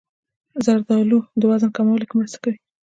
زردالو د وزن کمولو کې مرسته کوي.